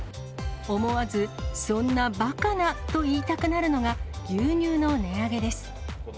思わずそんなばかなと言いたくなるのが、牛乳の値上げです。